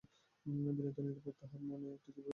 বিনোদিনীর উপরে তাহার মনে একটা তীব্র অভিমানের উদয় হইয়াছে।